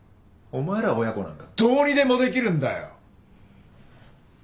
お前ら親子なんかどうにでもできるんだよ。